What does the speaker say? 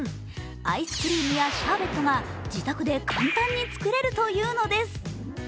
アイスクリームやシャーベットが自宅で簡単に作れるというのです。